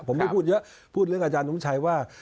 ผมไม่พูดเยอะพูดเรื่องอาจารย์สมชัยว่า